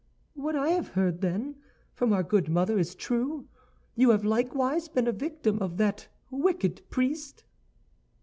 "What I have heard, then, from our good mother is true; you have likewise been a victim of that wicked priest."